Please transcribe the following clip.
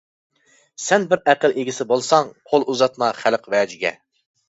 سەن بىر ئەقىل ئىگىسى بولساڭ، قول ئۇزاتما خەلق ۋەجىگە.